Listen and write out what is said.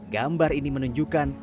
gambar ini menunjukkan